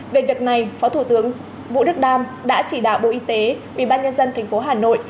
về việc này phó thủ tướng vũ đức đam đã chỉ đạo bộ y tế ủy ban nhân dân tp hà nội